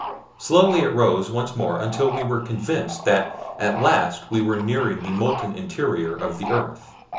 Slowly it rose once more until we were convinced that at last we were nearing the molten interior of the earth.